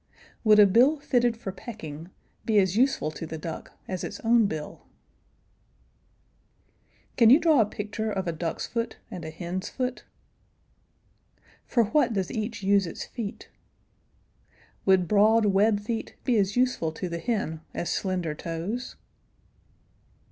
Would a bill fitted for pecking be as useful to the duck as its own bill? [Illustration: SEIZING CLAW.] Can you draw a picture of a duck's foot and a hen's foot? For what does each use its feet? Would broad web feet be as useful to the hen as slender toes?